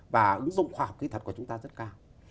và ứng dụng khoa học kỹ thuật của chúng ta rất cao